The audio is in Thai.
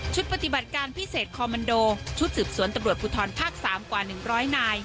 ชุดปฏิบัติการพิเศษคอมมันโดชุดสืบสวนตำรวจผู้ทอนภาคสามกว่าหนึ่งร้อยนาย